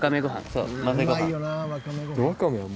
そう混ぜごはん。